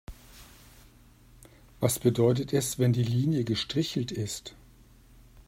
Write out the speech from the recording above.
Was bedeutet es, wenn die Linie gestrichelt ist?